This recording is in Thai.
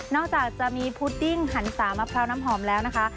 จากจะมีพุดดิ้งหันสามะพร้าวน้ำหอมแล้วนะคะ